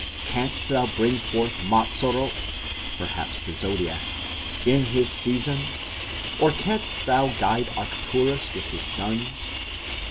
Canst thou bring forth Mazzaroth (? the Zodiac) in his season? or canst thou guide Arcturus with his sons?